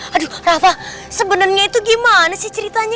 aduh rafa sebenarnya itu gimana sih ceritanya